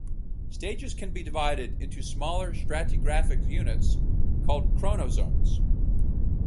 Stages can be divided into smaller stratigraphic units called chronozones.